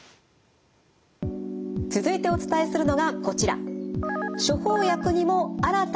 続いてお伝えするのがこちら。